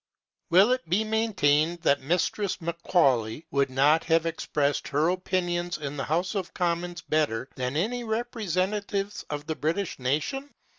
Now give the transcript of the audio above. Will it be maintained that Mistress Macaulay would not have expressed her opinions in the House of Commons better than many representatives of the British nation?